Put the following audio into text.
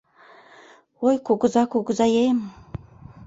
Ой, кугыза-кугызаем!